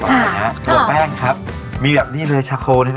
ตัวแป้งครับมีแบบนี้เลยชาโคนะครับ